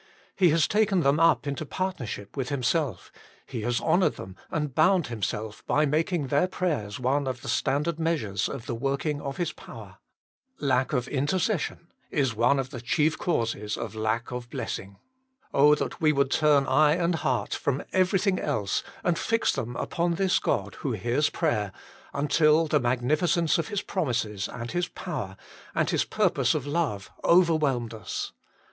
He has taken them up into partnership with Himself ; He has honoured them, and bound Himself, by making their prayers one of the standard measures of the working of His power. Lack of intercession is one of the chief causes of lack of blessing. Oh, that we would turn eye and heart from everything else and fix them upon this God who hears prayer, until the magnificence of His promises, and His power, and His purpose of love overwhelmed us